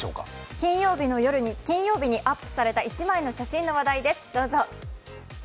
金曜日にアップされた１枚の写真の話題です、どうぞ。